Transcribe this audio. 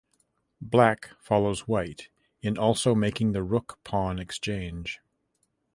Black follows White in also making the rook pawn exchange.